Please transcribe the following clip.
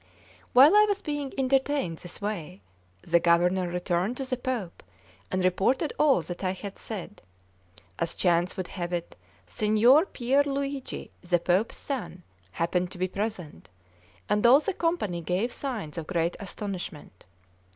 While I was being entertained in this way, the Governor returned to the Pope, and reported all that I had said. As chance would have it, Signor Pier Luigi, the Pope's son, happened to be present, and all the company gave signs of great astonishment.